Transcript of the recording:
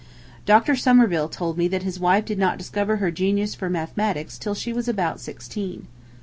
Dr. Somerville told me that his wife did not discover her genius for mathematics till she was about sixteen.